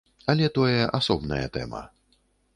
Але тое асобная тэма.